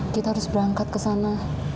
kita harus berangkat ke sana